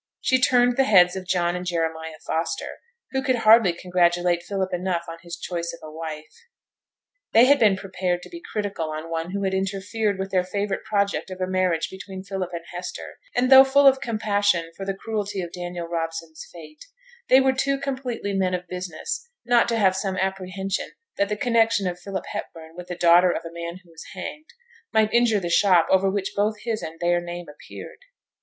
She turned the heads of John and Jeremiah Foster, who could hardly congratulate Philip enough on his choice of a wife. They had been prepared to be critical on one who had interfered with their favourite project of a marriage between Philip and Hester; and, though full of compassion for the cruelty of Daniel Robson's fate, they were too completely men of business not to have some apprehension that the connection of Philip Hepburn with the daughter of a man who was hanged, might injure the shop over which both his and their name appeared.